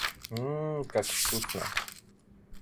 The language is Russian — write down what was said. М-м-м, как вкусно!